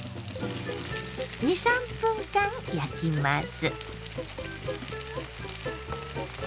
２３分間焼きます。